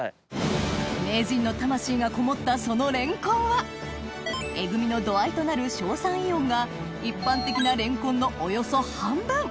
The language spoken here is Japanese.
名人の魂が込もったそのレンコンはえぐみの度合いとなる硝酸イオンが一般的なレンコンのおよそ半分！